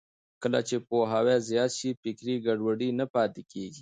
کله چې پوهاوی زیات شي، فکري ګډوډي نه پاتې کېږي.